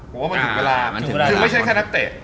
คือไม่ใช่แค่นักเตะ